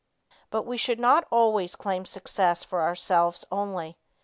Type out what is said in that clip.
But we should not always claim success for ourselves only.